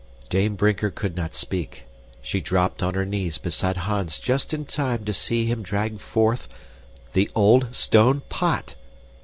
Dame Brinker could not speak. She dropped on her knees beside Hans just in time to see him drag forth THE OLD STONE POT!